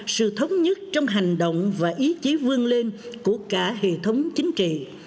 sự thống nhất trong hành động và ý chí vương lên của cả hệ thống chính trị